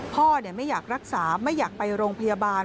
พ่อไม่อยากรักษาไม่อยากไปโรงพยาบาล